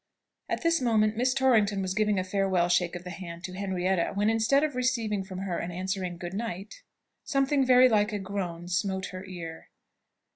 At this moment Miss Torrington was giving a farewell shake of the hand to Henrietta when, instead of receiving from her an answering "Good night!" something very like a groan smote her ear.